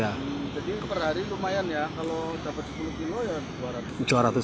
jadi per hari lumayan ya kalau dapat sepuluh kilo ya dua ratus ribu